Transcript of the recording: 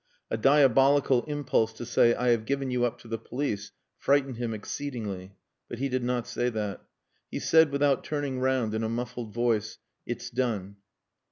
A diabolical impulse to say, "I have given you up to the police," frightened him exceedingly. But he did not say that. He said, without turning round, in a muffled voice "It's done."